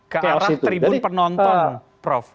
ke arah tribun penonton prof